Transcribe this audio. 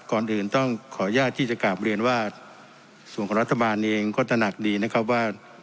ก่อนอื่นต้องขออนุญาตที่จะกลับเรียนว่าส่วนของรัฐบาลเองก็ตระหนักดีนะครับว่า